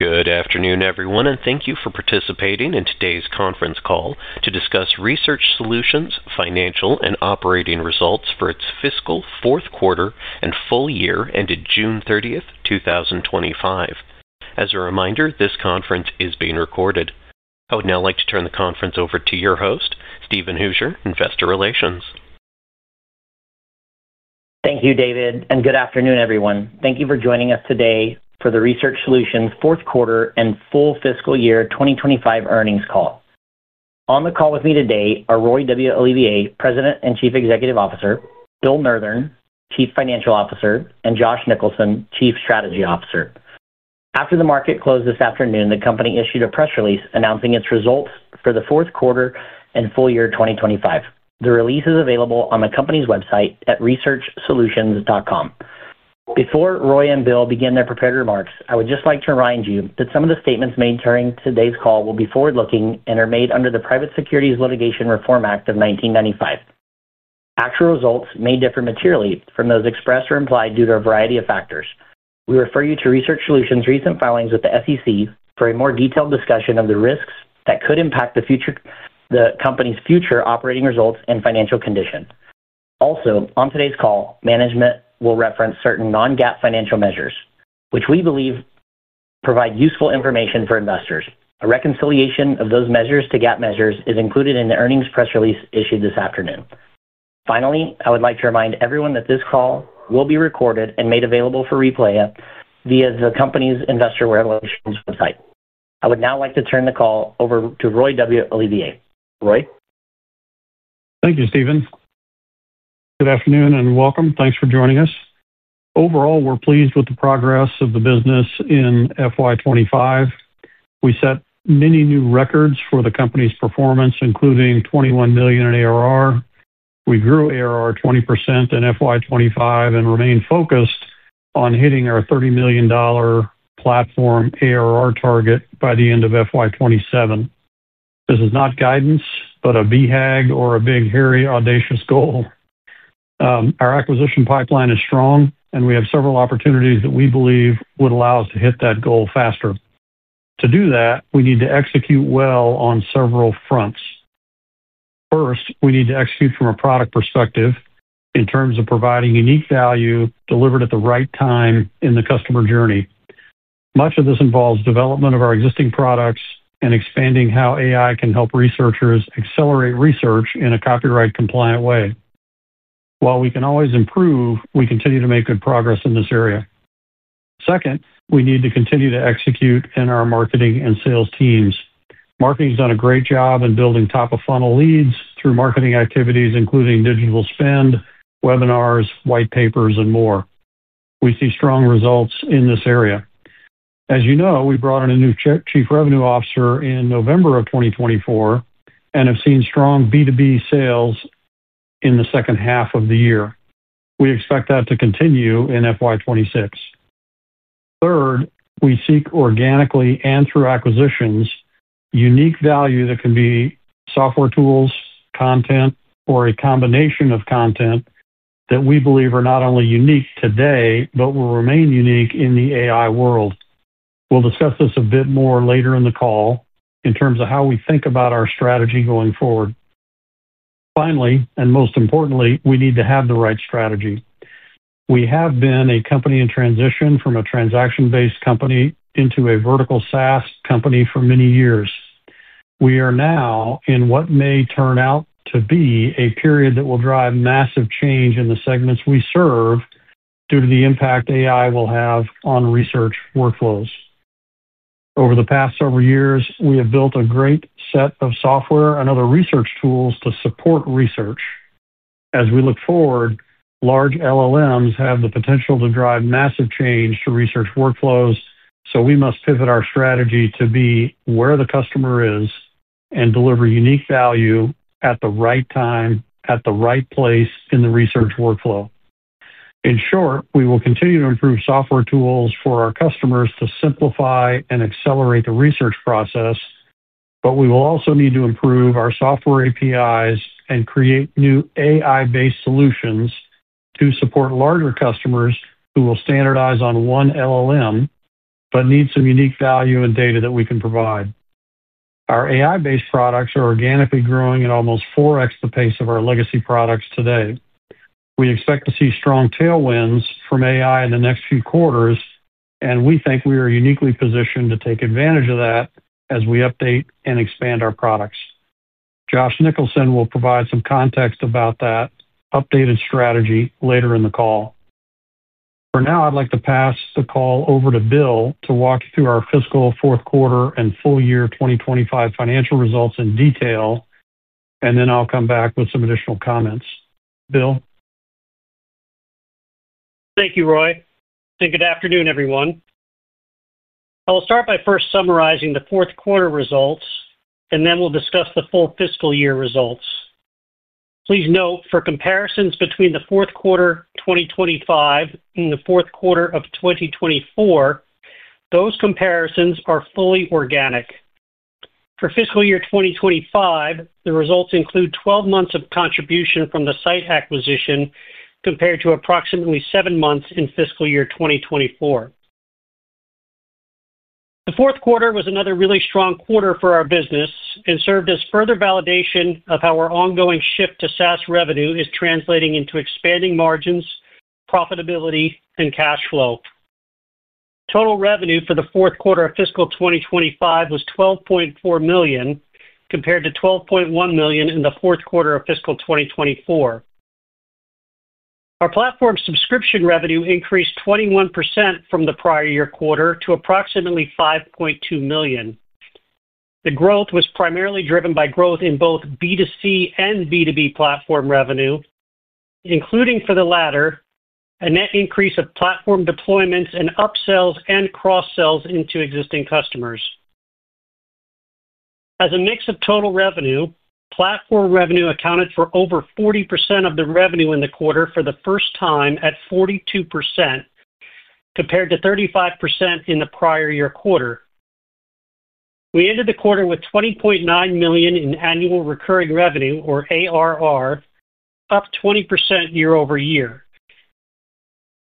Good afternoon, everyone, and thank you for participating in today's conference call to discuss Research Solutions Inc.'s Financial and Operating Results for its fiscal fourth quarter and full year ended June 30, 2025. As a reminder, this conference is being recorded. I would now like to turn the conference over to your host, Steven Hooser, Investor Relations. Thank you, David, and good afternoon, everyone. Thank you for joining us today for the Research Solutions' Fourth Quarter and Full Fiscal Year 2025 Earnings Call. On the call with me today are Roy W. Olivier, President and Chief Executive Officer; Bill Nurthen, Chief Financial Officer; and Josh Nicholson, Chief Strategy Officer. After the market closed this afternoon, the company issued a press release announcing its results for the fourth quarter and full year 2025. The release is available on the company's website at researchsolutions.com. Before Roy and Bill begin their prepared remarks, I would just like to remind you that some of the statements made during today's call will be forward-looking and are made under the Private Securities Litigation Reform Act of 1995. Actual results may differ materially from those expressed or implied due to a variety of factors. We refer you to Research Solutions Inc.'s recent filings with the SEC for a more detailed discussion of the risks that could impact the company's future operating results and financial condition. Also, on today's call, management will reference certain non-GAAP financial measures, which we believe provide useful information for investors. A reconciliation of those measures to GAAP measures is included in the earnings press release issued this afternoon. Finally, I would like to remind everyone that this call will be recorded and made available for replay via the company's Investor Relations website. I would now like to turn the call over to Roy W. Olivier. Roy? Thank you, Steven. Good afternoon and welcome. Thanks for joining us. Overall, we're pleased with the progress of the business in FY 2025. We set many new records for the company's performance, including $21 million in ARR. We grew ARR 20% in FY 2025 and remained focused on hitting our $30 million platform ARR target by the end of FY 2027. This is not guidance, but a BHAG or a big, hairy, audacious goal. Our acquisition pipeline is strong, and we have several opportunities that we believe would allow us to hit that goal faster. To do that, we need to execute well on several fronts. First, we need to execute from a product perspective in terms of providing unique value delivered at the right time in the customer journey. Much of this involves development of our existing products and expanding how AI can help researchers accelerate research in a copyright-compliant way. While we can always improve, we continue to make good progress in this area. Second, we need to continue to execute in our marketing and sales teams. Marketing has done a great job in building top-of-funnel leads through marketing activities, including digital spend, webinars, white papers, and more. We see strong results in this area. As you know, we brought in a new Chief Revenue Officer in November of 2024 and have seen strong B2B sales in the second half of the year. We expect that to continue in FY 2026. Third, we seek organically and through acquisitions unique value that can be software tools, content, or a combination of content that we believe are not only unique today but will remain unique in the AI world. We'll discuss this a bit more later in the call in terms of how we think about our strategy going forward. Finally, and most importantly, we need to have the right strategy. We have been a company in transition from a transaction-based company into a vertical SaaS company for many years. We are now in what may turn out to be a period that will drive massive change in the segments we serve due to the impact AI will have on research workflows. Over the past several years, we have built a great set of software and other research tools to support research. As we look forward, large LLMs have the potential to drive massive change to research workflows, so we must pivot our strategy to be where the customer is and deliver unique value at the right time, at the right place in the research workflow. In short, we will continue to improve software tools for our customers to simplify and accelerate the research process, but we will also need to improve our software APIs and create new AI-based solutions to support larger customers who will standardize on one LLM but need some unique value and data that we can provide. Our AI-based products are organically growing at almost 4X the pace of our legacy products today. We expect to see strong tailwinds from AI in the next few quarters, and we think we are uniquely positioned to take advantage of that as we update and expand our products. Josh Nicholson will provide some context about that updated strategy later in the call. For now, I'd like to pass the call over to Bill to walk you through our fiscal fourth quarter and full year 2025 financial results in detail, and then I'll come back with some additional comments. Bill? Thank you, Roy, and good afternoon, everyone. I will start by first summarizing the fourth quarter results, and then we'll discuss the full fiscal year results. Please note, for comparisons between the fourth quarter 2025 and the fourth quarter of 2024, those comparisons are fully organic. For fiscal year 2025, the results include 12 months of contribution from the Scite acquisition compared to approximately seven months in fiscal year 2024. The fourth quarter was another really strong quarter for our business and served as further validation of how our ongoing shift to SaaS revenue is translating into expanding margins, profitability, and cash flow. Total revenue for the fourth quarter of fiscal 2025 was $12.4 million compared to $12.1 million in the fourth quarter of fiscal 2024. Our platform subscription revenue increased 21% from the prior year quarter to approximately $5.2 million. The growth was primarily driven by growth in both B2C and B2B platform revenue, including for the latter, a net increase of platform deployments and upsells and cross-sells into existing customers. As a mix of total revenue, platform revenue accounted for over 40% of the revenue in the quarter for the first time at 42% compared to 35% in the prior year quarter. We ended the quarter with $20.9 million in annual recurring revenue, or ARR, up 20% year-over-year.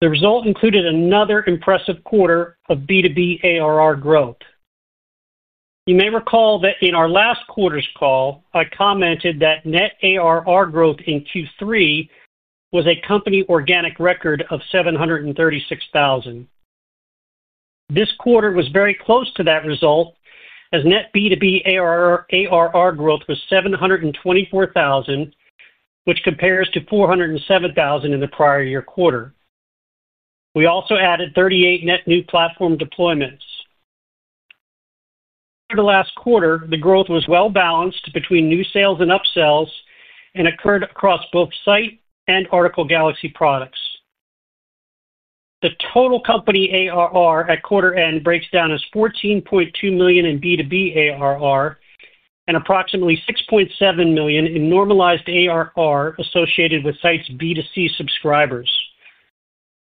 The result included another impressive quarter of B2B ARR growth. You may recall that in our last quarter's call, I commented that net ARR growth in Q3 was a company organic record of $736,000. This quarter was very close to that result, as net B2B ARR growth was $724,000, which compares to $407,000 in the prior year quarter. We also added 38 net new platform deployments. For the last quarter, the growth was well balanced between new sales and upsells and occurred across both Scite and Article Galaxy products. The total company ARR at quarter end breaks down as $14.2 million in B2B ARR and approximately $6.7 million in normalized ARR associated with Scite's B2C subscribers.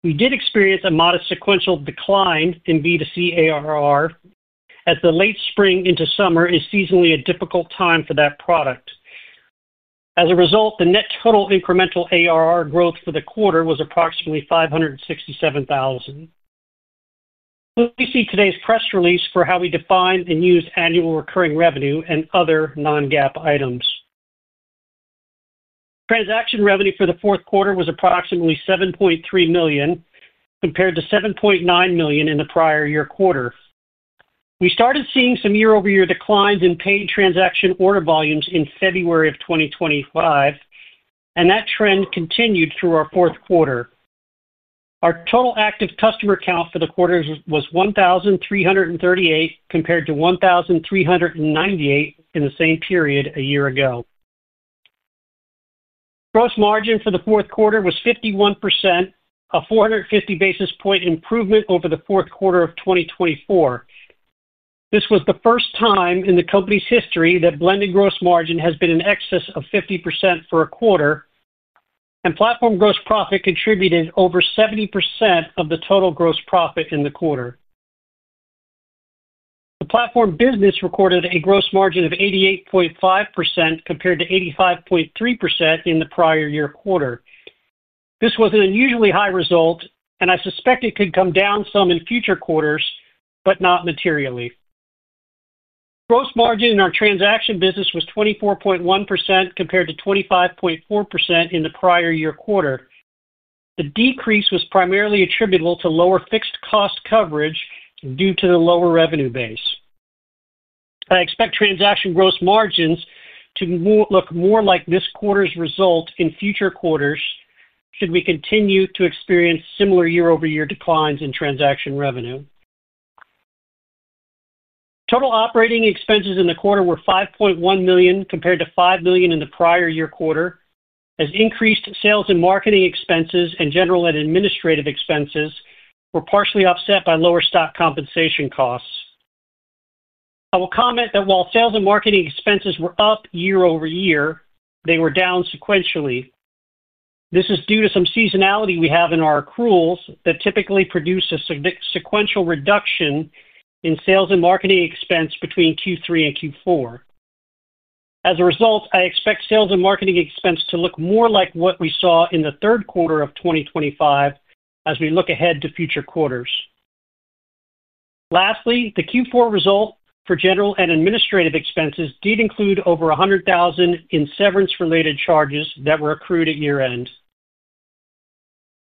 We did experience a modest sequential decline in B2C ARR, as the late spring into summer is seasonally a difficult time for that product. As a result, the net total incremental ARR growth for the quarter was approximately $567,000. Please see today's press release for how we define and use annual recurring revenue and other non-GAAP items. Transaction revenue for the fourth quarter was approximately $7.3 million compared to $7.9 million in the prior year quarter. We started seeing some year-over-year declines in paid transaction order volumes in February of 2025, and that trend continued through our fourth quarter. Our total active customer count for the quarter was 1,338 compared to 1,398 in the same period a year ago. Gross margin for the fourth quarter was 51%, a 450 basis point improvement over the fourth quarter of 2024. This was the first time in the company's history that blended gross margin has been in excess of 50% for a quarter, and platform gross profit contributed over 70% of the total gross profit in the quarter. The platform business recorded a gross margin of 88.5% compared to 85.3% in the prior year quarter. This was an unusually high result, and I suspect it could come down some in future quarters, but not materially. Gross margin in our transaction business was 24.1% compared to 25.4% in the prior year quarter. The decrease was primarily attributable to lower fixed cost coverage due to the lower revenue base. I expect transaction gross margins to look more like this quarter's result in future quarters should we continue to experience similar year-over-year declines in transaction revenue. Total operating expenses in the quarter were $5.1 million compared to $5 million in the prior year quarter, as increased sales and marketing expenses and general and administrative expenses were partially offset by lower stock compensation costs. I will comment that while sales and marketing expenses were up year-over-year, they were down sequentially. This is due to some seasonality we have in our accruals that typically produce a sequential reduction in sales and marketing expense between Q3 and Q4. As a result, I expect sales and marketing expense to look more like what we saw in the third quarter of 2025 as we look ahead to future quarters. Lastly, the Q4 result for general and administrative expenses did include over $100,000 in severance-related charges that were accrued at year end.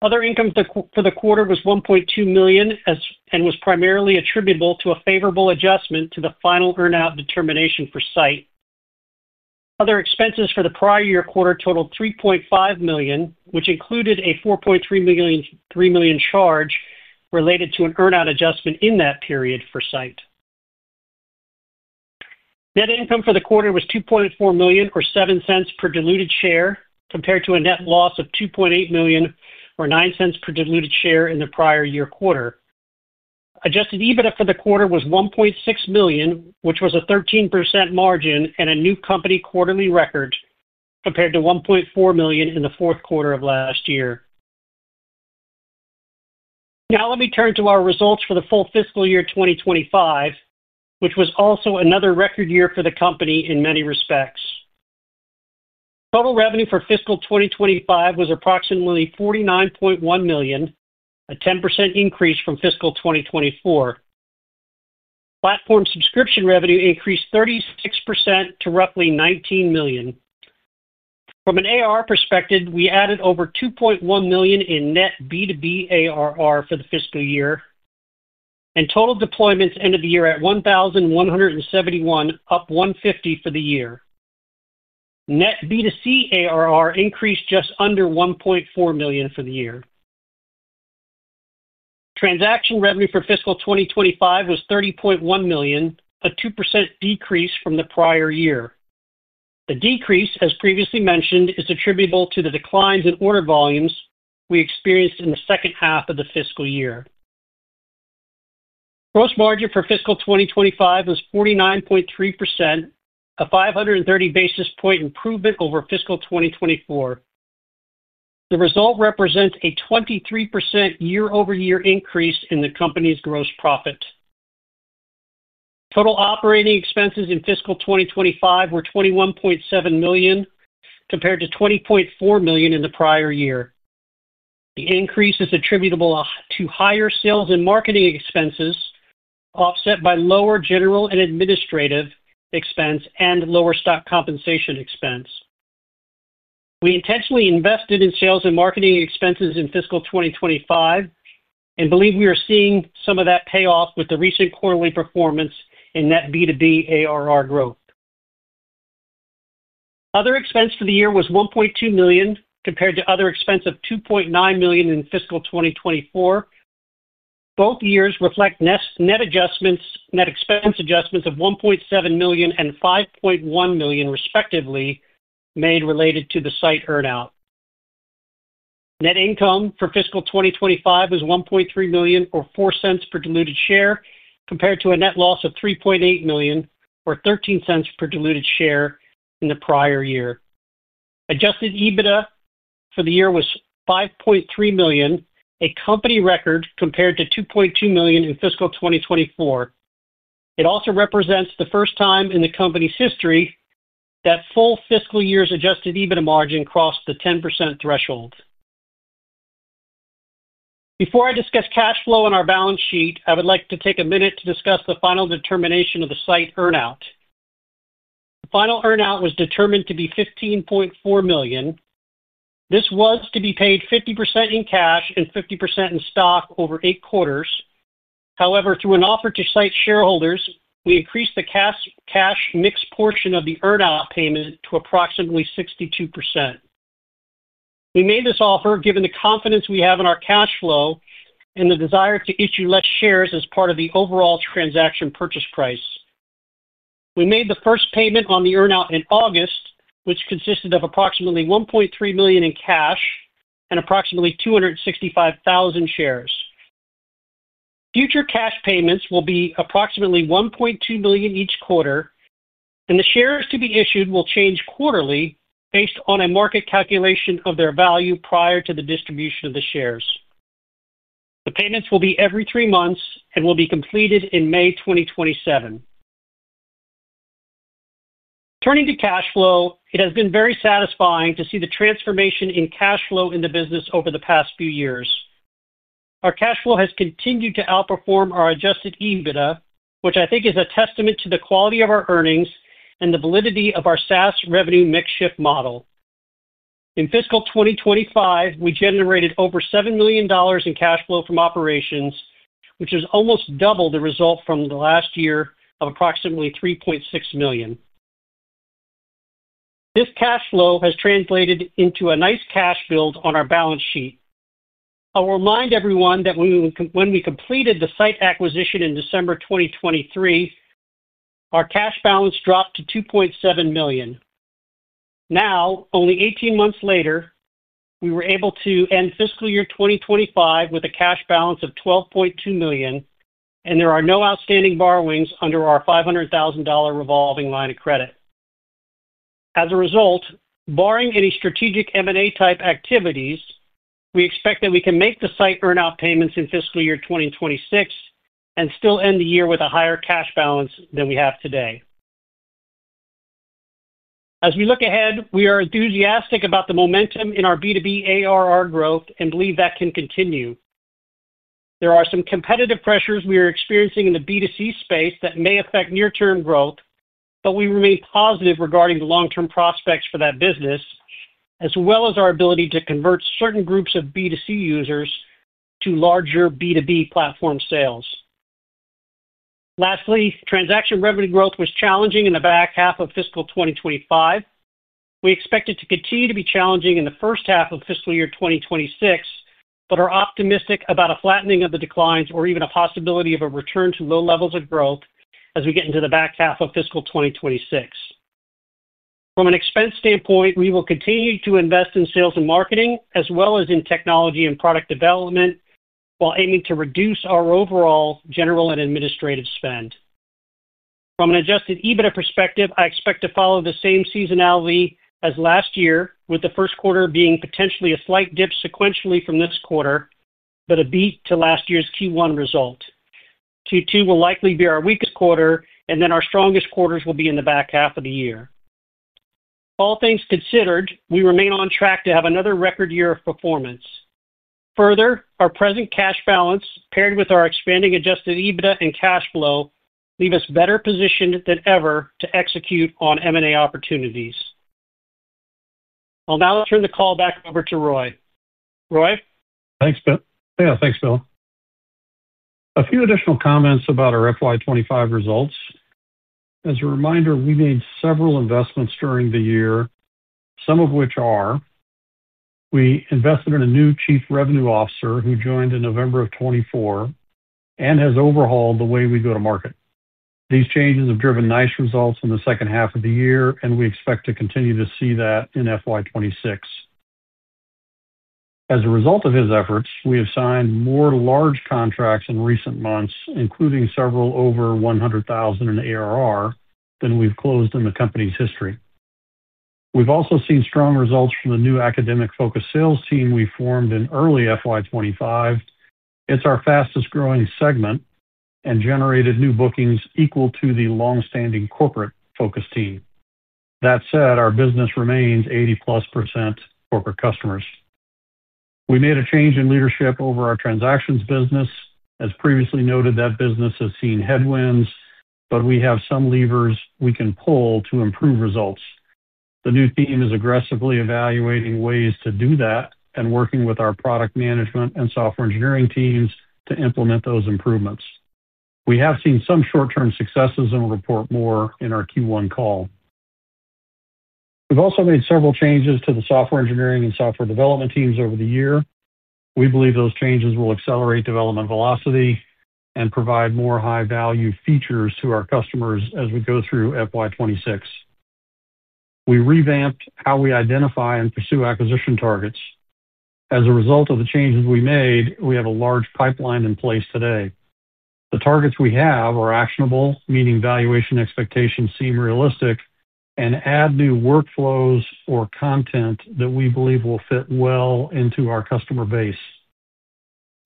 Other income for the quarter was $1.2 million and was primarily attributable to a favorable adjustment to the final earnout determination for Scite. Other expenses for the prior year quarter totaled $3.5 million, which included a $4.3 million charge related to an earnout adjustment in that period for Scite. Net income for the quarter was $2.4 million or $0.07 per diluted share compared to a net loss of $2.8 million or $0.09 per diluted share in the prior year quarter. Adjusted EBITDA for the quarter was $1.6 million, which was a 13% margin and a new company quarterly record compared to $1.4 million in the fourth quarter of last year. Now let me turn to our results for the full fiscal year 2025, which was also another record year for the company in many respects. Total revenue for fiscal 2025 was approximately $49.1 million, a 10% increase from fiscal 2024. Platform subscription revenue increased 36% to roughly $19 million. From an ARR perspective, we added over $2.1 million in net B2B ARR for the fiscal year, and total deployments ended the year at 1,171, up 150 for the year. Net B2C ARR increased just under $1.4 million for the year. Transaction revenue for fiscal 2025 was $30.1 million, a 2% decrease from the prior year. The decrease, as previously mentioned, is attributable to the declines in order volumes we experienced in the second half of the fiscal year. Gross margin for fiscal 2025 was 49.3%, a 530 basis point improvement over fiscal 2024. The result represents a 23% year-over-year increase in the company's gross profit. Total operating expenses in fiscal 2025 were $21.7 million compared to $20.4 million in the prior year. The increase is attributable to higher sales and marketing expenses offset by lower general and administrative expense and lower stock compensation expense. We intentionally invested in sales and marketing expenses in fiscal 2025 and believe we are seeing some of that payoff with the recent quarterly performance in net B2B ARR growth. Other expense for the year was $1.2 million compared to other expense of $2.9 million in fiscal 2024. Both years reflect net expense adjustments of $1.7 million and $5.1 million, respectively, made related to the Scite earnout. Net income for fiscal 2025 was $1.3 million or $0.04 per diluted share compared to a net loss of $3.8 million or $0.13 per diluted share in the prior year. Adjusted EBITDA for the year was $5.3 million, a company record compared to $2.2 million in fiscal 2024. It also represents the first time in the company's history that full fiscal year's adjusted EBITDA margin crossed the 10% threshold. Before I discuss cash flow on our balance sheet, I would like to take a minute to discuss the final determination of the Scite earnout. The final earnout was determined to be $15.4 million. This was to be paid 50% in cash and 50% in stock over eight quarters. However, through an offer to Scite shareholders, we increased the cash mix portion of the earnout payment to approximately 62%. We made this offer given the confidence we have in our cash flow and the desire to issue fewer shares as part of the overall transaction purchase price. We made the first payment on the earnout in August, which consisted of approximately $1.3 million in cash and approximately 265,000 shares. Future cash payments will be approximately $1.2 million each quarter, and the shares to be issued will change quarterly based on a market calculation of their value prior to the distribution of the shares. The payments will be every three months and will be completed in May 2027. Turning to cash flow, it has been very satisfying to see the transformation in cash flow in the business over the past few years. Our cash flow has continued to outperform our adjusted EBITDA, which I think is a testament to the quality of our earnings and the validity of our SaaS revenue mix shift model. In fiscal 2025, we generated over $7 million in cash flow from operations, which is almost double the result from the last year of approximately $3.6 million. This cash flow has translated into a nice cash build on our balance sheet. I will remind everyone that when we completed the Scite acquisition in December 2023, our cash balance dropped to $2.7 million. Now, only 18 months later, we were able to end fiscal year 2025 with a cash balance of $12.2 million, and there are no outstanding borrowings under our $500,000 revolving line of credit. As a result, barring any strategic M&A type activities, we expect that we can make the Scite earnout payments in fiscal year 2026 and still end the year with a higher cash balance than we have today. As we look ahead, we are enthusiastic about the momentum in our B2B ARR growth and believe that can continue. There are some competitive pressures we are experiencing in the B2C space that may affect near-term growth, but we remain positive regarding the long-term prospects for that business, as well as our ability to convert certain groups of B2C users to larger B2B platform sales. Lastly, transaction revenue growth was challenging in the back half of fiscal 2025. We expect it to continue to be challenging in the first half of fiscal year 2026, but are optimistic about a flattening of the declines or even a possibility of a return to low levels of growth as we get into the back half of fiscal 2026. From an expense standpoint, we will continue to invest in sales and marketing, as well as in technology and product development, while aiming to reduce our overall general and administrative spend. From an adjusted EBITDA perspective, I expect to follow the same seasonality as last year, with the first quarter being potentially a slight dip sequentially from this quarter, but a beat to last year's Q1 result. Q2 will likely be our weakest quarter, and then our strongest quarters will be in the back half of the year. All things considered, we remain on track to have another record year of performance. Further, our present cash balance paired with our expanding adjusted EBITDA and cash flow leave us better positioned than ever to execute on M&A opportunities. I'll now turn the call back over to Roy. Roy? Thanks, Bill. Yeah, thanks, Bill. A few additional comments about our FY 2025 results. As a reminder, we've made several investments during the year, some of which are we invested in a new Chief Revenue Officer who joined in November of 2024 and has overhauled the way we go to market. These changes have driven nice results in the second half of the year, and we expect to continue to see that in FY 2026. As a result of his efforts, we have signed more large contracts in recent months, including several over $100,000 in ARR than we've closed in the company's history. We've also seen strong results from the new academic focus sales team we formed in early FY 2025. It's our fastest growing segment and generated new bookings equal to the longstanding corporate focus team. That said, our business remains 80%+ corporate customers. We made a change in leadership over our transactions business. As previously noted, that business has seen headwinds, but we have some levers we can pull to improve results. The new team is aggressively evaluating ways to do that and working with our product management and software engineering teams to implement those improvements. We have seen some short-term successes and will report more in our Q1 call. We've also made several changes to the software engineering and software development teams over the year. We believe those changes will accelerate development velocity and provide more high-value features to our customers as we go through FY 2026. We revamped how we identify and pursue acquisition targets. As a result of the changes we made, we have a large pipeline in place today. The targets we have are actionable, meaning valuation expectations seem realistic and add new workflows or content that we believe will fit well into our customer base.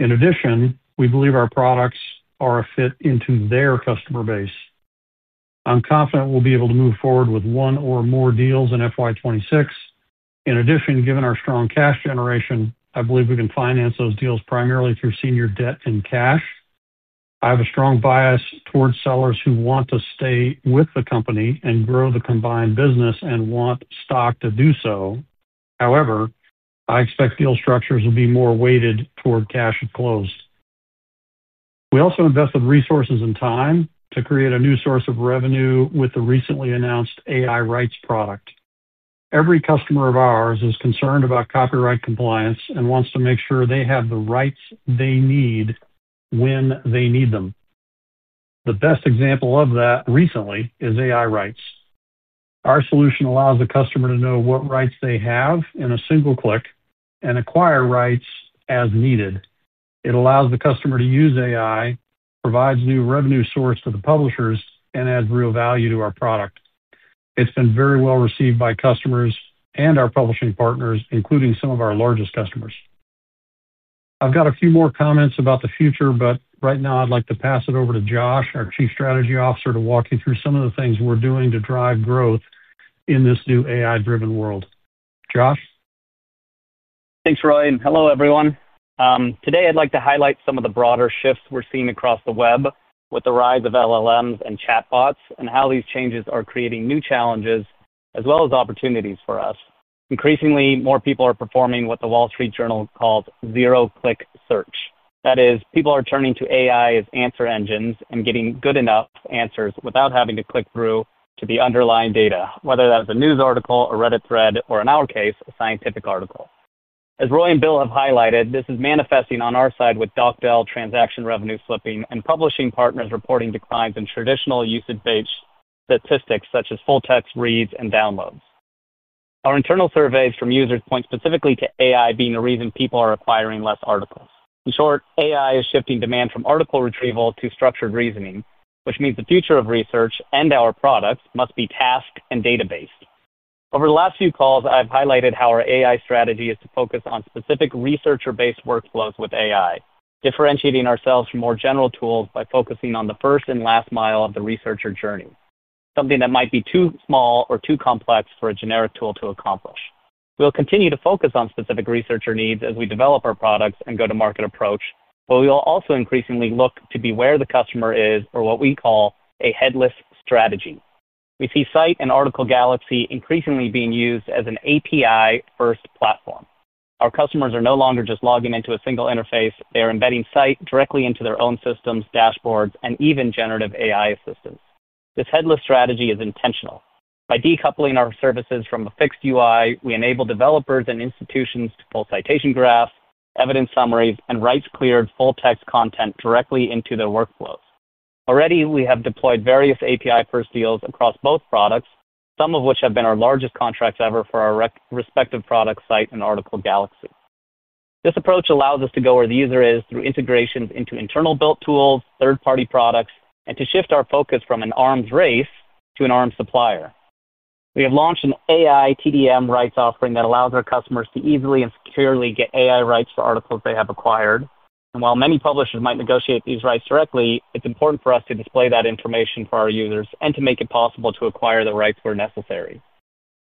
In addition, we believe our products are a fit into their customer base. I'm confident we'll be able to move forward with one or more deals in FY 2026. In addition, given our strong cash generation, I believe we can finance those deals primarily through senior debt and cash. I have a strong bias towards sellers who want to stay with the company and grow the combined business and want stock to do so. However, I expect deal structures will be more weighted toward cash at close. We also invested resources and time to create a new source of revenue with the recently announced AI TDM rights product. Every customer of ours is concerned about copyright compliance and wants to make sure they have the rights they need when they need them. The best example of that recently is AI rights. Our solution allows the customer to know what rights they have in a single click and acquire rights as needed. It allows the customer to use AI, provides new revenue source to the publishers, and adds real value to our product. It's been very well received by customers and our publishing partners, including some of our largest customers. I have a few more comments about the future, but right now I'd like to pass it over to Josh, our Chief Strategy Officer, to walk you through some of the things we're doing to drive growth in this new AI-driven world. Josh. Thanks, Roy, and hello, everyone. Today, I'd like to highlight some of the broader shifts we're seeing across the web with the rise of LLMs and chatbots and how these changes are creating new challenges as well as opportunities for us. Increasingly, more people are performing what The Wall Street Journal calls zero-click search. That is, people are turning to AI as answer engines and getting good enough answers without having to click through to the underlying data, whether that's a news article, a Reddit thread, or in our case, a scientific article. As Roy and Bill have highlighted, this is manifesting on our side with DocDel transaction revenue slipping, and publishing partners reporting declines in traditional usage-based statistics such as full-text reads and downloads. Our internal surveys from users point specifically to AI being a reason people are acquiring less articles. In short, AI is shifting demand from article retrieval to structured reasoning, which means the future of research and our products must be tasked and data-based. Over the last few calls, I've highlighted how our AI strategy is to focus on specific researcher-based workflows with AI, differentiating ourselves from more general tools by focusing on the first and last mile of the researcher journey, something that might be too small or too complex for a generic tool to accomplish. We'll continue to focus on specific researcher needs as we develop our products and go-to-market approach, but we will also increasingly look to be where the customer is or what we call a headless strategy. We see Scite and Article Galaxy increasingly being used as an API-first platform. Our customers are no longer just logging into a single interface; they're embedding Scite directly into their own systems, dashboards, and even generative AI assistants. This headless strategy is intentional. By decoupling our services from a fixed UI, we enable developers and institutions to pull citation graphs, evidence summaries, and rights-cleared full-text content directly into their workflows. Already, we have deployed various API-first deals across both products, some of which have been our largest contracts ever for our respective products, Scite and Article Galaxy. This approach allows us to go where the user is through integrations into internal-built tools, third-party products, and to shift our focus from an arms race to an arms supplier. We have launched an AI TDM rights offering that allows our customers to easily and securely get AI rights for articles they have acquired. While many publishers might negotiate these rights directly, it's important for us to display that information for our users and to make it possible to acquire the rights where necessary.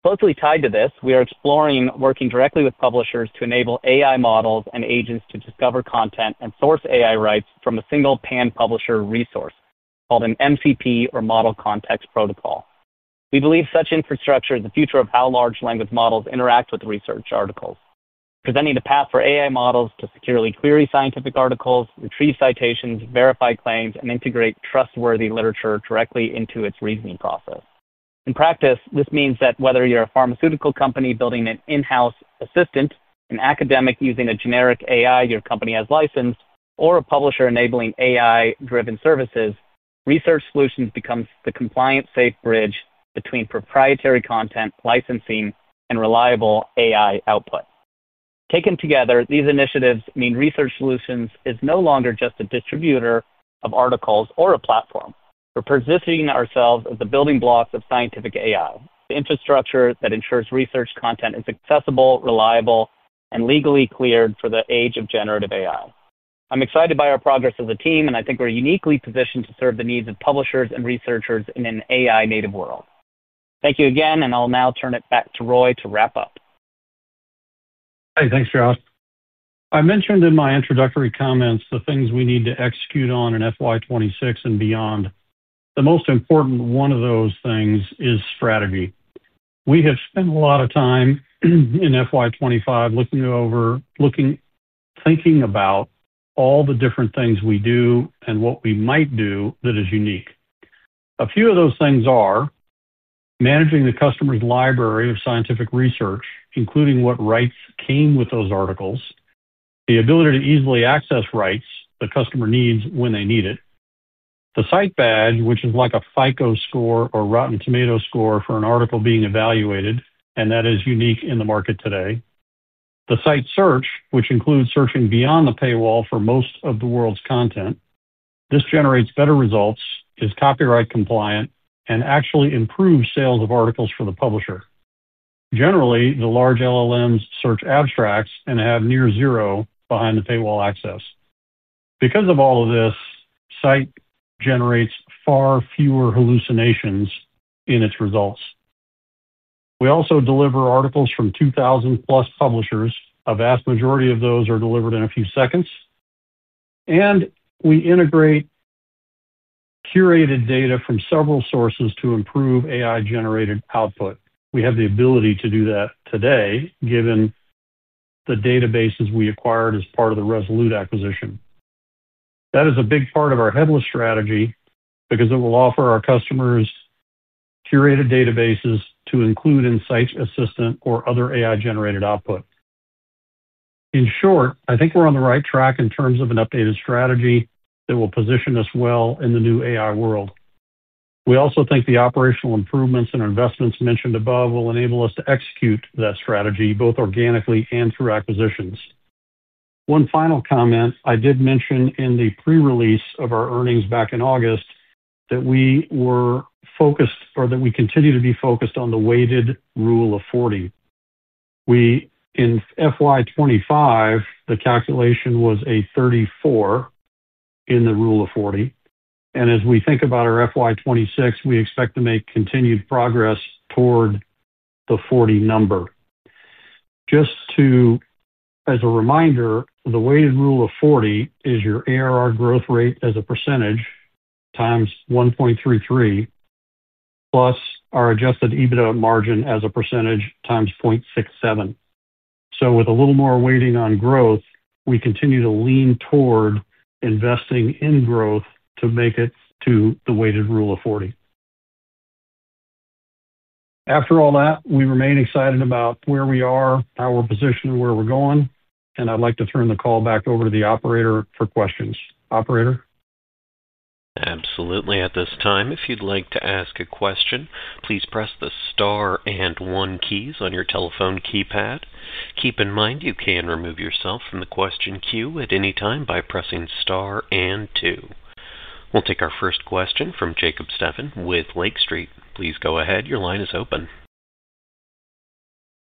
Closely tied to this, we are exploring working directly with publishers to enable AI models and agents to discover content and source AI rights from a single pan-publisher resource called an MCP or Model Context Protocol. We believe such infrastructure is the future of how large language models interact with research articles, presenting the path for AI models to securely query scientific articles, retrieve citations, verify claims, and integrate trustworthy literature directly into its reasoning process. In practice, this means that whether you're a pharmaceutical company building an in-house assistant, an academic using a generic AI your company has licensed, or a publisher enabling AI-driven services, Research Solutions becomes the compliant safe bridge between proprietary content, licensing, and reliable AI output. Taken together, these initiatives mean Research Solutions is no longer just a distributor of articles or a platform. We're positioning ourselves as the building blocks of scientific AI, the infrastructure that ensures research content is accessible, reliable, and legally cleared for the age of generative AI. I'm excited by our progress as a team, and I think we're uniquely positioned to serve the needs of publishers and researchers in an AI-native world. Thank you again, and I'll now turn it back to Roy to wrap up. Hey, thanks, Josh. I mentioned in my introductory comments the things we need to execute on in FY 2026 and beyond. The most important one of those things is strategy. We have spent a lot of time in FY 2025 looking over, looking, thinking about all the different things we do and what we might do that is unique. A few of those things are managing the customer's library of scientific research, including what rights came with those articles, the ability to easily access rights the customer needs when they need it, the Scite badge, which is like a FICO score or Rotten Tomato score for an article being evaluated, and that is unique in the market today, the Scite search, which includes searching beyond the paywall for most of the world's content. This generates better results, is copyright compliant, and actually improves sales of articles for the publisher. Generally, the large LLMs search abstracts and have near zero behind the paywall access. Because of all of this, Scite generates far fewer hallucinations in its results. We also deliver articles from 2,000+ publishers. A vast majority of those are delivered in a few seconds, and we integrate curated data from several sources to improve AI-generated output. We have the ability to do that today, given the databases we acquired as part of the Resolute acquisition. That is a big part of our headless strategy because it will offer our customers curated databases to include in Scite assistant or other AI-generated output. In short, I think we're on the right track in terms of an updated strategy that will position us well in the new AI world. We also think the operational improvements and investments mentioned above will enable us to execute that strategy both organically and through acquisitions. One final comment, I did mention in the pre-release of our earnings back in August that we were focused or that we continue to be focused on the weighted rule of 40. In FY 2025, the calculation was a 34 in the rule of 40. As we think about our FY 2026, we expect to make continued progress toward the 40 number. Just as a reminder, the weighted rule of 40 is your ARR growth rate as a percentage x 1.33, plus our adjusted EBITDA margin as a percentage x 0.67. With a little more weighting on growth, we continue to lean toward investing in growth to make it to the weighted rule of 40. After all that, we remain excited about where we are, how we're positioned, and where we're going. I'd like to turn the call back over to the operator for questions. Operator? Absolutely. At this time, if you'd like to ask a question, please press the star and one keys on your telephone keypad. Keep in mind you can remove yourself from the question queue at any time by pressing star and two. We'll take our first question from Jacob Stephan with Lake Street Capital Markets. Please go ahead. Your line is open.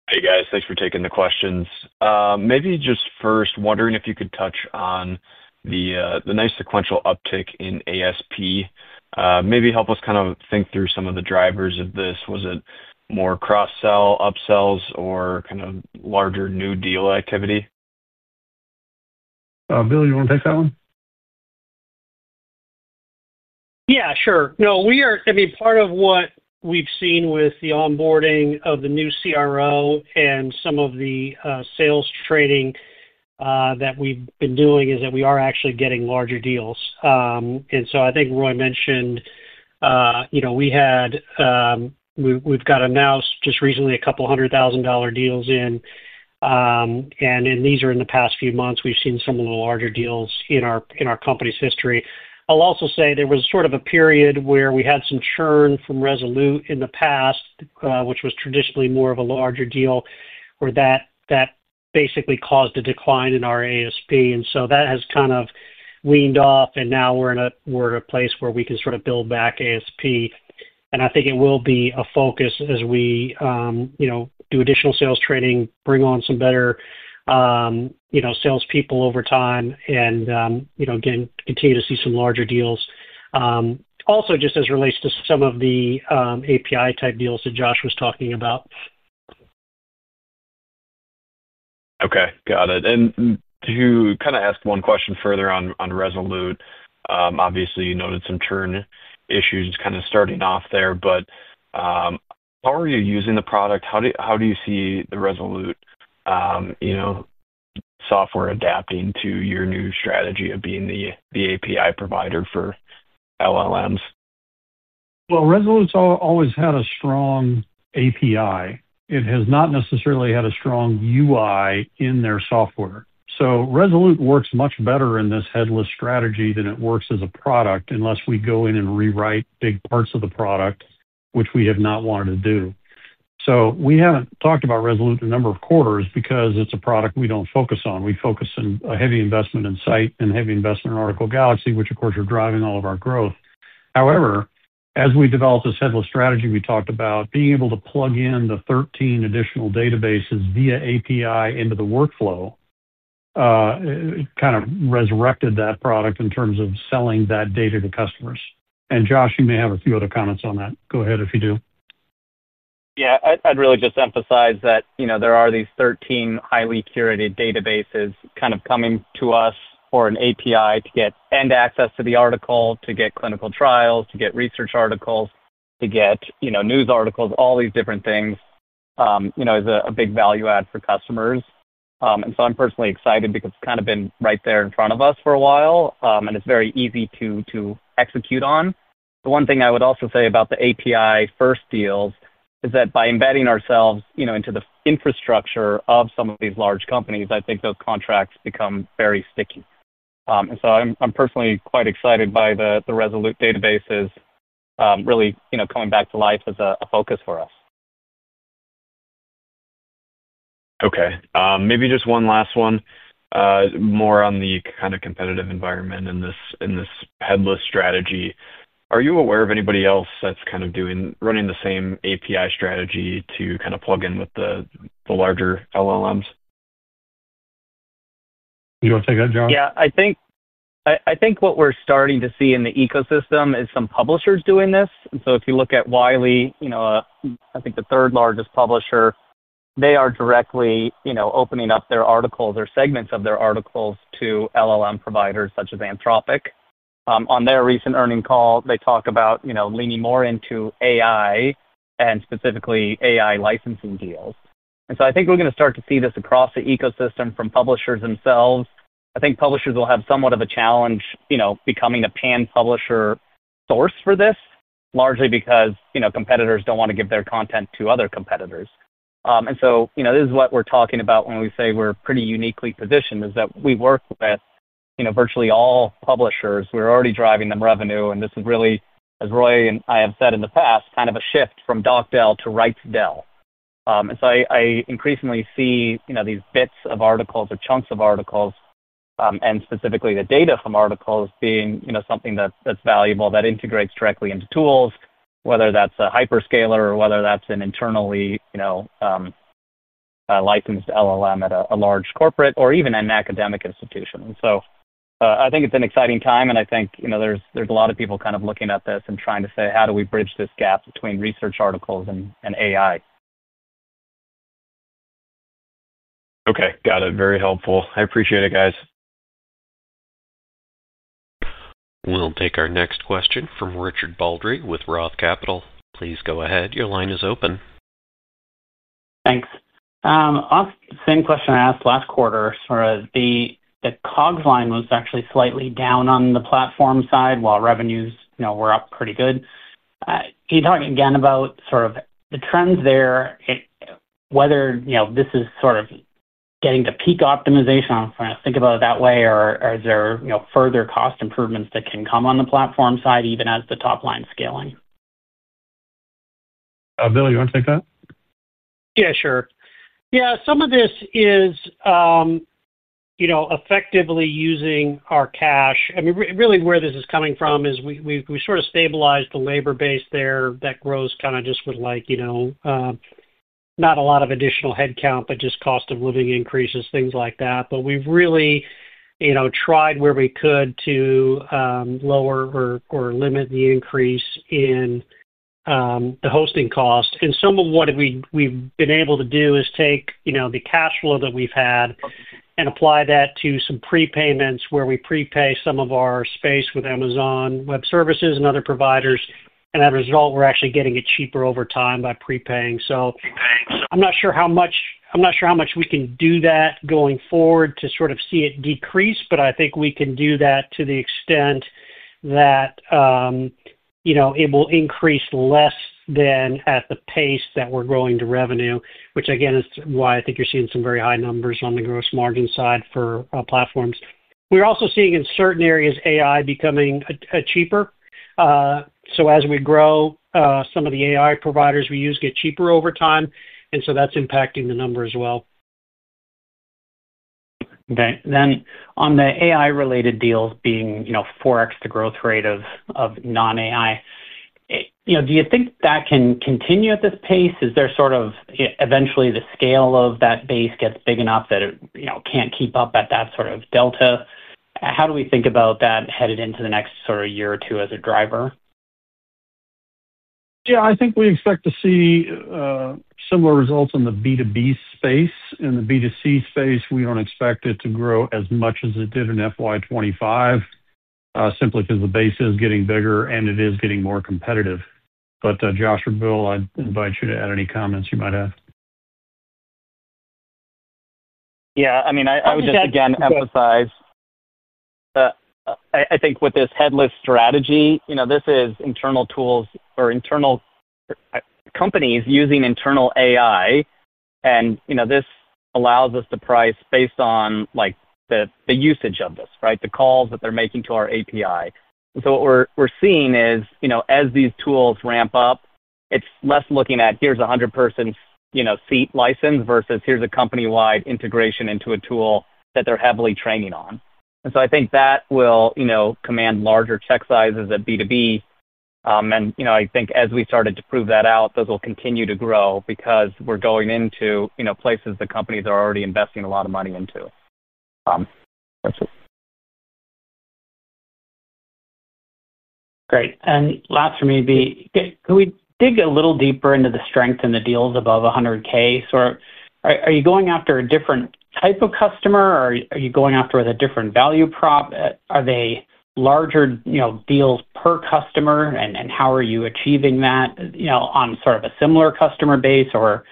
Hey, guys. Thanks for taking the questions. Maybe just first wondering if you could touch on the nice sequential uptick in ASP. Maybe help us kind of think through some of the drivers of this. Was it more cross-sell, upsells, or kind of larger new deal activity? Bill, you want to take that one? Yeah, sure. We are, I mean, part of what we've seen with the onboarding of the new CRO and some of the sales training that we've been doing is that we are actually getting larger deals. I think Roy mentioned, we've gotten now just recently a couple $100,000 deals in. In the past few months, we've seen some of the larger deals in our company's history. I'll also say there was sort of a period where we had some churn from Resolute in the past, which was traditionally more of a larger deal where that basically caused a decline in our ASP. That has kind of weaned off, and now we're in a place where we can sort of build back ASP. I think it will be a focus as we do additional sales training, bring on some better salespeople over time, and again, continue to see some larger deals. Also, just as it relates to some of the API type deals that Josh was talking about. Okay. Got it. To kind of ask one question further on Resolute, obviously, you noted some churn issues kind of starting off there, but how are you using the product? How do you see the Resolute software adapting to your new strategy of being the API provider for LLMs? Solutions has always had a strong API. It has not necessarily had a strong UI in their software. Resolute works much better in this headless strategy than it works as a product unless we go in and rewrite big parts of the product, which we have not wanted to do. We haven't talked about Resolute in a number of quarters because it's a product we don't focus on. We focus on a heavy investment in Scite and heavy investment in Article Galaxy, which, of course, are driving all of our growth. However, as we developed this headless strategy, we talked about being able to plug in the 13 additional databases via API into the workflow. It kind of resurrected that product in terms of selling that data to customers. Josh, you may have a few other comments on that. Go ahead if you do. Yeah, I'd really just emphasize that there are these 13 highly curated databases kind of coming to us for an API to get end access to the article, to get clinical trials, to get research articles, to get news articles, all these different things, you know, is a big value add for customers. I'm personally excited because it's kind of been right there in front of us for a while, and it's very easy to execute on. The one thing I would also say about the API-first deals is that by embedding ourselves into the infrastructure of some of these large companies, I think those contracts become very sticky. I'm personally quite excited by the Resolute databases really coming back to life as a focus for us. Okay. Maybe just one last one, more on the kind of competitive environment in this headless strategy. Are you aware of anybody else that's kind of doing, running the same API strategy to kind of plug in with the larger LLMs? You want to take that, Josh? Yeah, I think what we're starting to see in the ecosystem is some publishers doing this. If you look at Wiley, I think the third largest publisher, they are directly opening up their articles or segments of their articles to LLM providers such as Anthropic. On their recent earnings call, they talk about leaning more into AI and specifically AI licensing deals. I think we're going to start to see this across the ecosystem from publishers themselves. I think publishers will have somewhat of a challenge becoming a pan-publisher source for this, largely because competitors don't want to give their content to other competitors. This is what we're talking about when we say we're pretty uniquely positioned, that we work with virtually all publishers. We're already driving them revenue, and this is really, as Roy and I have said in the past, kind of a shift from DocDel to Writesdell. I increasingly see these bits of articles or chunks of articles, and specifically the data from articles, being something that's valuable that integrates directly into tools, whether that's a hyperscaler or whether that's an internally licensed LLM at a large corporate or even an academic institution. I think it's an exciting time, and I think there's a lot of people kind of looking at this and trying to say, how do we bridge this gap between research articles and AI? Okay. Got it. Very helpful. I appreciate it, guys. We'll take our next question from Richard Baldry with ROTH Capital. Please go ahead. Your line is open. Thanks. I'll ask the same question I asked last quarter. The COGS line was actually slightly down on the platform side while revenues were up pretty good. Can you talk again about the trends there? Whether this is getting to peak optimization, I don't want to think about it that way, or is there further cost improvements that can come on the platform side even as the top line is scaling? Bill, you want to take that? Yeah, sure. Some of this is effectively using our cash. Really where this is coming from is we sort of stabilized the labor base there that grows kind of just with, like, not a lot of additional headcount, but just cost of living increases, things like that. We've really tried where we could to lower or limit the increase in the hosting cost. Some of what we've been able to do is take the cash flow that we've had and apply that to some prepayments where we prepay some of our space with Amazon Web Services and other providers. As a result, we're actually getting it cheaper over time by prepaying. I'm not sure how much we can do that going forward to sort of see it decrease, but I think we can do that to the extent that it will increase less than at the pace that we're growing the revenue, which again is why I think you're seeing some very high numbers on the gross margin side for platforms. We're also seeing in certain areas AI becoming cheaper. As we grow, some of the AI providers we use get cheaper over time, and that's impacting the number as well. On the AI-related deals being 4X the growth rate of non-AI, do you think that can continue at this pace? Is there sort of eventually the scale of that base gets big enough that it can't keep up at that sort of delta? How do we think about that headed into the next year or two as a driver? Yeah, I think we expect to see similar results in the B2B space. In the B2C space, we don't expect it to grow as much as it did in FY 2025 simply because the base is getting bigger and it is getting more competitive. Josh or Bill, I invite you to add any comments you might have. Yeah, I mean, I would just again emphasize that I think with this headless strategy, this is internal tools or internal companies using internal AI, and this allows us to price based on the usage of this, right? The calls that they're making to our API. What we're seeing is, as these tools ramp up, it's less looking at here's a 100-person seat license versus here's a company-wide integration into a tool that they're heavily training on. I think that will command larger check sizes at B2B. As we started to prove that out, those will continue to grow because we're going into places that companies are already investing a lot of money into. Great. Could we dig a little deeper into the strength in the deals above $100,000? Are you going after a different type of customer or are you going after with a different value prop? Are they larger deals per customer, and how are you achieving that on a similar customer base or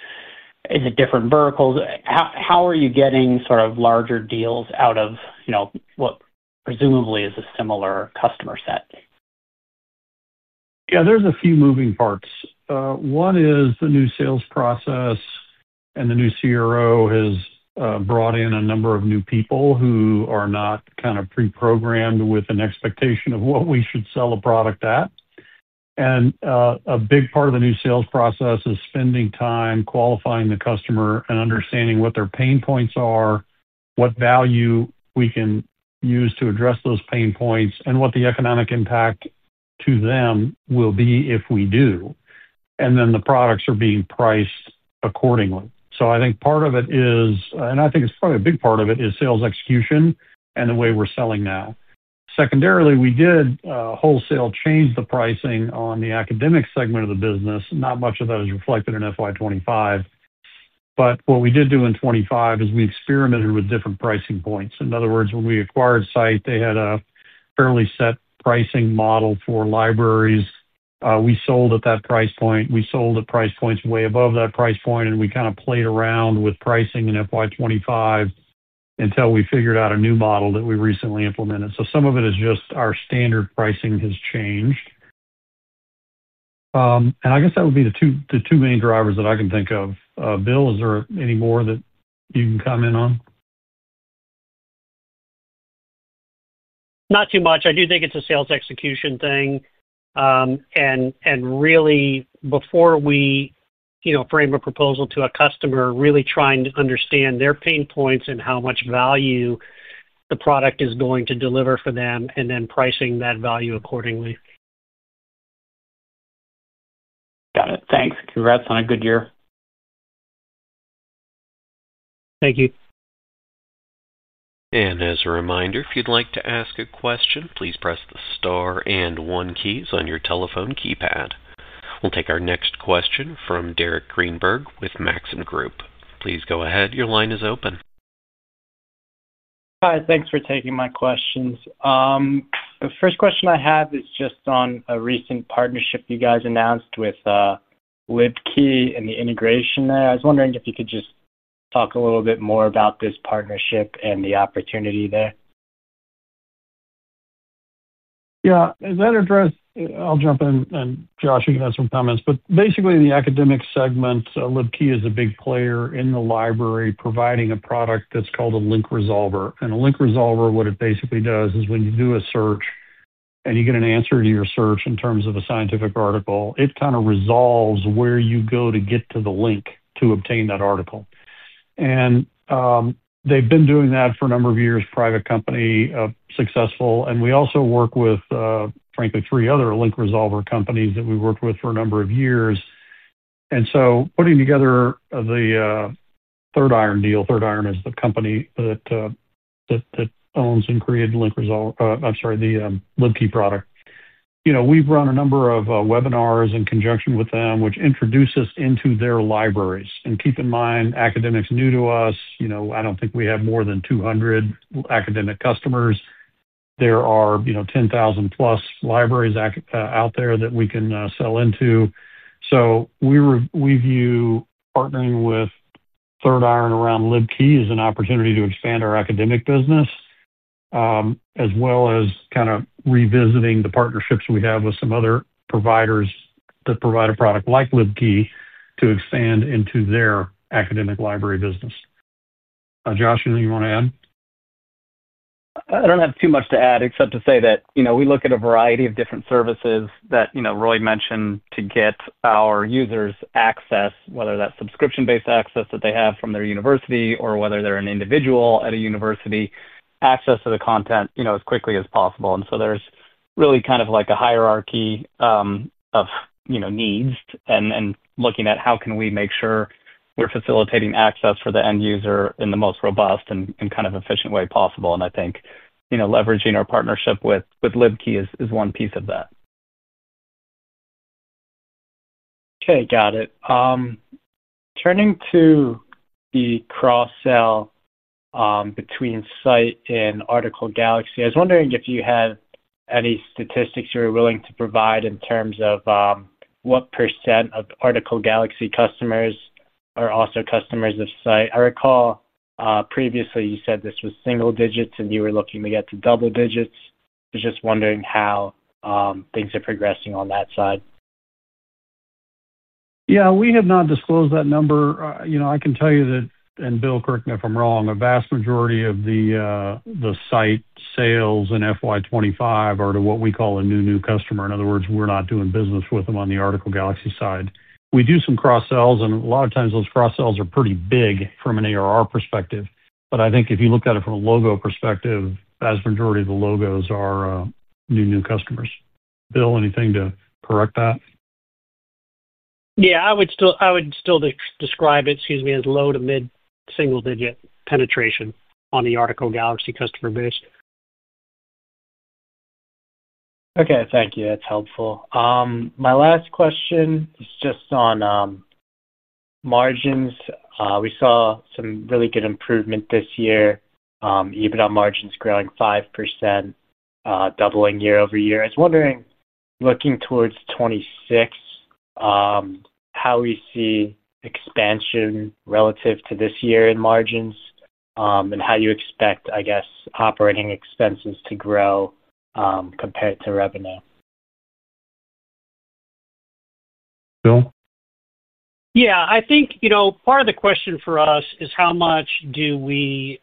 in a different vertical? How are you getting larger deals out of what presumably is a similar customer set? Yeah, there's a few moving parts. One is the new sales process and the new CRO has brought in a number of new people who are not kind of pre-programmed with an expectation of what we should sell a product at. A big part of the new sales process is spending time qualifying the customer and understanding what their pain points are, what value we can use to address those pain points, and what the economic impact to them will be if we do. The products are being priced accordingly. I think part of it is, and I think it's probably a big part of it, is sales execution and the way we're selling now. Secondarily, we did wholesale change the pricing on the academic segment of the business. Not much of that is reflected in FY 2025. What we did do in 2025 is we experimented with different pricing points. In other words, when we acquired Scite, they had a fairly set pricing model for libraries. We sold at that price point. We sold at price points way above that price point, and we kind of played around with pricing in FY 2025 until we figured out a new model that we recently implemented. Some of it is just our standard pricing has changed. I guess that would be the two main drivers that I can think of. Bill, is there any more that you can comment on? I do think it's a sales execution thing. Before we frame a proposal to a customer, really trying to understand their pain points and how much value the product is going to deliver for them, and then pricing that value accordingly. Got it. Thanks. Congrats on a good year. Thank you. As a reminder, if you'd like to ask a question, please press the star and one keys on your telephone keypad. We'll take our next question from Derek Greenberg with Maxim Group. Please go ahead. Your line is open. Hi, thanks for taking my questions. The first question I have is just on a recent partnership you guys announced with LivKey and the integration there. I was wondering if you could just talk a little bit more about this partnership and the opportunity there. Yeah, is that addressed? I'll jump in and Josh, you can have some comments. Basically, the academic segment, LibKey is a big player in the library, providing a product that's called a link resolver. A link resolver, what it basically does is when you do a search and you get an answer to your search in terms of a scientific article, it kind of resolves where you go to get to the link to obtain that article. They've been doing that for a number of years, private company, successful. We also work with, frankly, three other link resolver companies that we've worked with for a number of years. Putting together the Third Iron deal, Third Iron is the company that owns and created the link resolver, I'm sorry, the LibKey product. We've run a number of webinars in conjunction with them, which introduce us into their libraries. Keep in mind, academic's new to us. I don't think we have more than 200 academic customers. There are 10,000 plus libraries out there that we can sell into. We view partnering with Third Iron around LibKey as an opportunity to expand our academic business, as well as kind of revisiting the partnerships we have with some other providers that provide a product like LibKey to expand into their academic library business. Josh, anything you want to add? I don't have too much to add except to say that we look at a variety of different services that Roy mentioned to get our users access, whether that's subscription-based access that they have from their university or whether they're an individual at a university, access to the content as quickly as possible. There's really kind of like a hierarchy of needs and looking at how can we make sure we're facilitating access for the end user in the most robust and kind of efficient way possible. I think leveraging our partnership with LibKey is one piece of that. Okay, got it. Turning to the cross-sell between Scite and Article Galaxy, I was wondering if you had any statistics you were willing to provide in terms of what percent of Article Galaxy customers are also customers of Scite. I recall previously you said this was single digits and you were looking to get to double digits. I was just wondering how things are progressing on that side. Yeah, we have not disclosed that number. I can tell you that, and Bill, correct me if I'm wrong, a vast majority of the Scite sales in FY 2025 are to what we call a new new customer. In other words, we're not doing business with them on the Article Galaxy side. We do some cross-sells, and a lot of times those cross-sells are pretty big from an ARR perspective. I think if you look at it from a logo perspective, the vast majority of the logos are new new customers. Bill, anything to correct that? Yeah, I would still describe it, excuse me, as low to mid single digit penetration on the Article Galaxy customer base. Okay, thank you. That's helpful. My last question is just on margins. We saw some really good improvement this year, EBITDA margins growing 5%, doubling year-over-year. I was wondering, looking towards 2026, how we see expansion relative to this year in margins and how you expect, I guess, operating expenses to grow compared to revenue. Bill? Yeah, I think part of the question for us is how much do we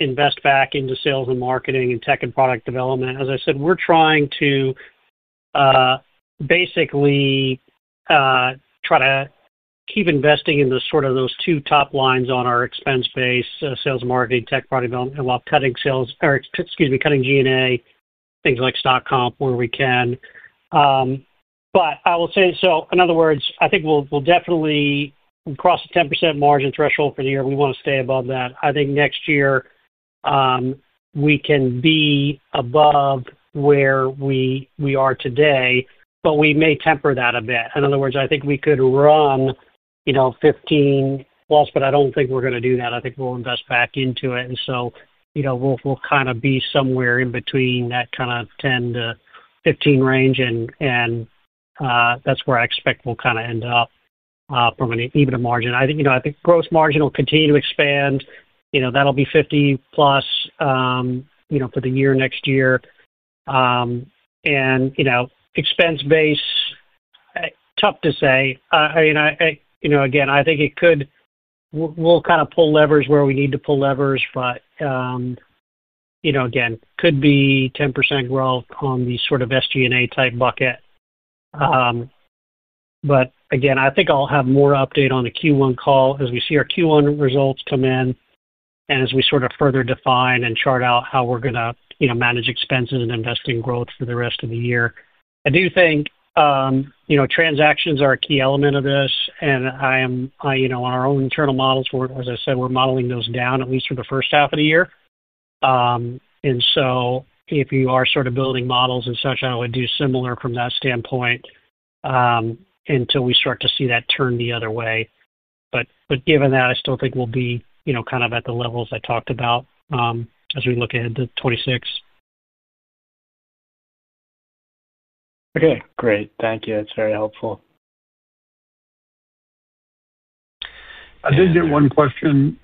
invest back into sales and marketing and tech and product development. As I said, we're trying to basically try to keep investing in those two top lines on our expense base, sales and marketing, tech product development, while cutting G&A, things like stock comp where we can. In other words, I think we'll definitely cross the 10% margin threshold for the year. We want to stay above that. I think next year we can be above where we are today, but we may temper that a bit. In other words, I think we could run 15%+, but I don't think we're going to do that. I think we'll invest back into it. We'll kind of be somewhere in between that 10%-15% range, and that's where I expect we'll end up from an EBITDA margin. I think gross margin will continue to expand. That'll be 50%+ for the year next year. Expense base, tough to say. I think we'll kind of pull levers where we need to pull levers, but again, could be 10% growth on the SG&A type bucket. I think I'll have more update on the Q1 call as we see our Q1 results come in and as we further define and chart out how we're going to manage expenses and invest in growth for the rest of the year. I do think transactions are a key element of this, and on our own internal models, as I said, we're modeling those down at least for the first half of the year. If you are building models and such, I would do similar from that standpoint until we start to see that turn the other way. Given that, I still think we'll be at the levels I talked about as we look ahead to 2026. Okay, great. Thank you. That's very helpful. I did get one question.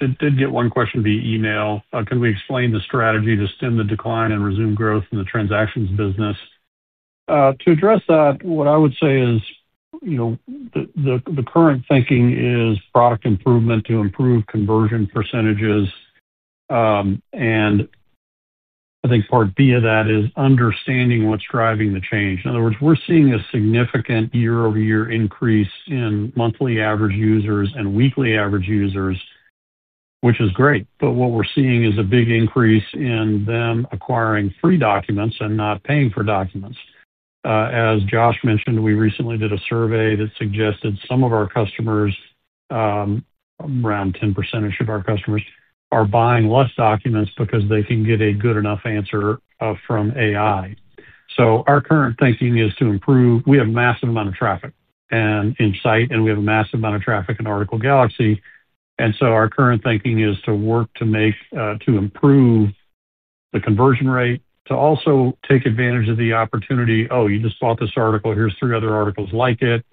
I did get one question via email. Can we explain the strategy to stem the decline and resume growth in the transactions business? To address that, what I would say is, you know, the current thinking is product improvement to improve conversion percentages. I think part B of that is understanding what's driving the change. In other words, we're seeing a significant year-over-year increase in monthly average users and weekly average users, which is great. What we're seeing is a big increase in them acquiring free documents and not paying for documents. As Josh mentioned, we recently did a survey that suggested some of our customers, around 10% of our customers, are buying less documents because they can get a good enough answer from AI. Our current thinking is to improve. We have a massive amount of traffic in site, and we have a massive amount of traffic in Article Galaxy. Our current thinking is to work to make, to improve the conversion rate, to also take advantage of the opportunity. Oh, you just bought this article. Here's three other articles like it.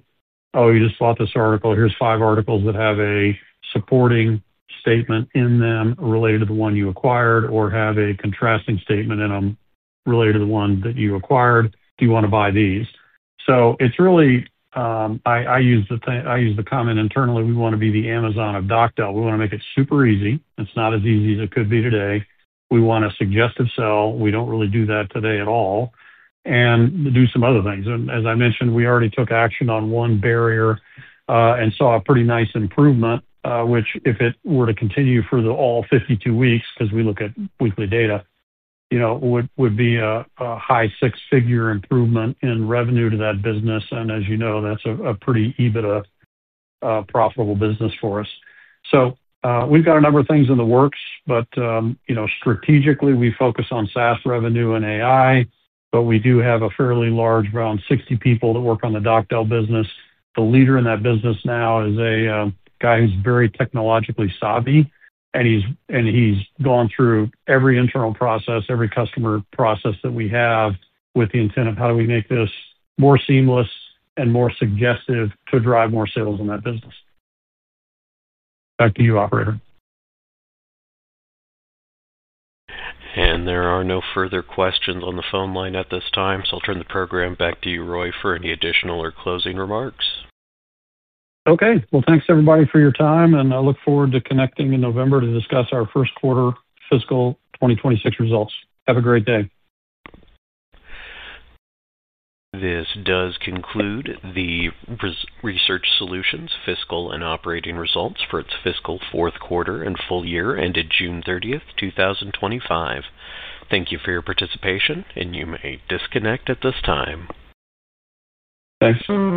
Oh, you just bought this article. Here's five articles that have a supporting statement in them related to the one you acquired or have a contrasting statement in them related to the one that you acquired. Do you want to buy these? I use the comment internally, we want to be the Amazon of DocDel. We want to make it super easy. It's not as easy as it could be today. We want a suggestive sell. We don't really do that today at all. Do some other things. As I mentioned, we already took action on one barrier and saw a pretty nice improvement, which if it were to continue for all 52 weeks, because we look at weekly data, would be a high six-figure improvement in revenue to that business. As you know, that's a pretty EBITDA profitable business for us. We've got a number of things in the works, but strategically, we focus on SaaS revenue and AI, but we do have a fairly large round of 60 people that work on the DocDel business. The leader in that business now is a guy who's very technologically savvy, and he's gone through every internal process, every customer process that we have with the intent of how do we make this more seamless and more suggestive to drive more sales in that business. Back to you, operator. There are no further questions on the phone line at this time, so I'll turn the program back to you, Roy, for any additional or closing remarks. Thank you everybody for your time. I look forward to connecting in November to discuss our first quarter fiscal 2026 results. Have a great day. This does conclude the Research Solutions Inc. Fiscal and Operating Results for its fiscal fourth quarter and full year ended June 30, 2025. Thank you for your participation, and you may disconnect at this time. Thanks.